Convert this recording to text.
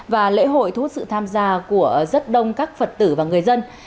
và lễ hội thu hút sự tham gia của rất đông các phật tử và người dân